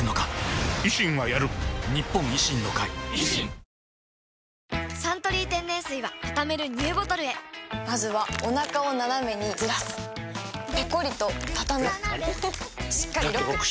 「アサヒスーパードライ」「サントリー天然水」はたためるＮＥＷボトルへまずはおなかをナナメにずらすペコリ！とたたむしっかりロック！